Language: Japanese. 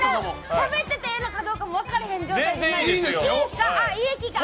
しゃべっててええのかも分からへん状態で。